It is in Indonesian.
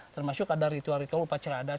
termasuk ada ritual ritual upacara adat